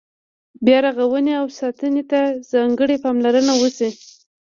بیا رغونې او ساتنې ته ځانګړې پاملرنه وشي.